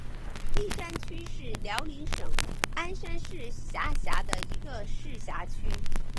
立山区是辽宁省鞍山市下辖的一个市辖区。